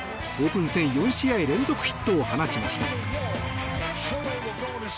オープン戦４試合連続ヒットを放ちました。